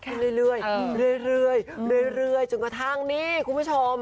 ในเวลาทางนี้คุณผู้ชม